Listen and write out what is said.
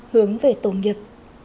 hướng về tổ nghiệp